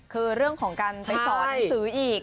คือเรื่องของการไปสอนหนังสืออีก